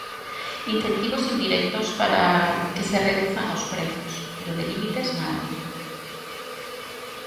Incentivos indirectos para que se reduzan os prezos, pero de límites nada.